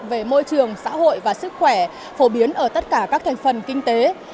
về môi trường xã hội và sức khỏe phổ biến ở tất cả các thành phần kinh tế